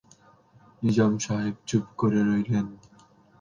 নিজাম সাহেব চুপ করে রইলেন।